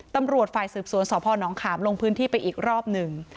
ตำรวจฝ่ายสืบสวนสพนขามลงพื้นที่ไปอีกรอบหนึ่ง